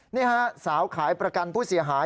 นี่ฮะสาวขายประกันผู้เสียหาย